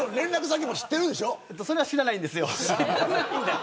それは知らないです。